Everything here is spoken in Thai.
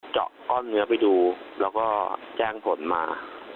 เจาะก้อนเนื้อไปดูแล้วก็แจ้งผลมา